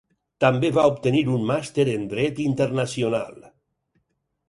També va obtenir un màster en dret internacional.